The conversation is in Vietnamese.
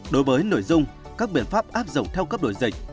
đối với nội dung các biện pháp áp dụng theo cấp đổi dịch